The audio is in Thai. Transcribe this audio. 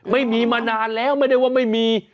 ไม่มีมานานแล้วไม่ได้ว่าไม่มี